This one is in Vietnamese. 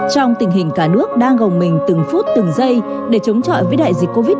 trong tình hình cả nước đang gồng mình từng phút từng giây để chống chọi với đại dịch covid một mươi chín